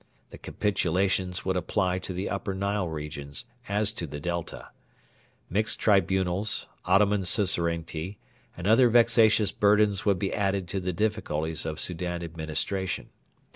The Capitulations would apply to the Upper Nile regions, as to the Delta. Mixed Tribunals, Ottoman Suzerainty, and other vexatious burdens would be added to the difficulties of Soudan administration.